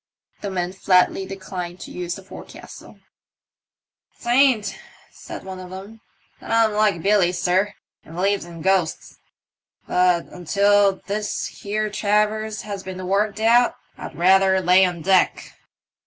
The men flatly declined to use the forecastle, "'Tain't," said one of them, "that I*m like BUly, sir, and believes in ghosts. But until this here traverse has been worked out I'd rather lay on deck.